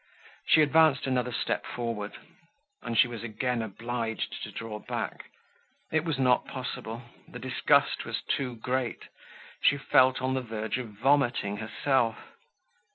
She advanced another step forward. And she was again obliged to draw back. It was not possible, the disgust was too great. She felt on the verge of vomiting herself.